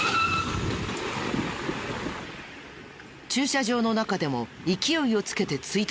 駐車場の中でも勢いをつけて追突。